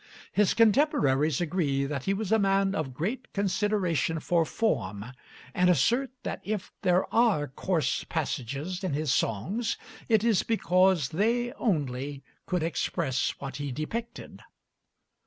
His contemporaries agree that he was a man of great consideration for form, and assert that if there are coarse passages in his songs it is because they only could express what he depicted.